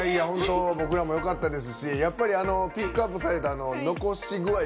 僕らもよかったですしやっぱりピックアップされた残し具合